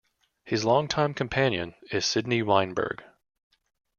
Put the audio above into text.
His longtime companion is Sydney Weinberg.